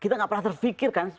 kita gak pernah terfikir kan